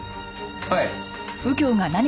はい。